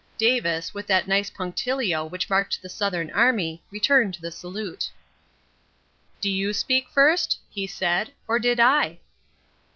Davis, with that nice punctilio which marked the Southern army, returned the salute. "Do you speak first?" he said, "or did I?"